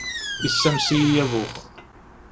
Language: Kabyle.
Issames-iyi abux.